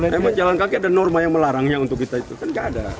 memang jalan kaki ada norma yang melarangnya untuk kita itu kan gak ada